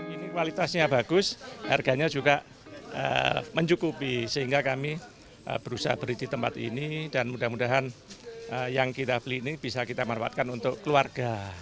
ini kualitasnya bagus harganya juga mencukupi sehingga kami berusaha berhenti tempat ini dan mudah mudahan yang kita beli ini bisa kita manfaatkan untuk keluarga